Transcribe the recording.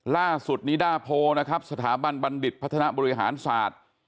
ล่าสุดนิดาโพนะครับสถาบันบัณฑิตพัฒนาบริหารศาสตร์